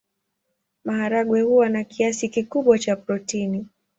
Maharagwe huwa na kiasi kikubwa cha protini.